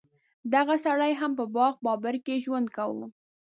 دغه سړي هم په باغ بابر کې ژوند کاوه.